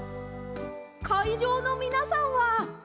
かいじょうのみなさんはどうですか？